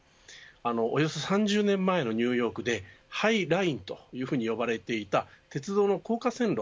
およそ３０年前のニューヨークでハイラインというふうに呼ばれていた鉄道の高架線路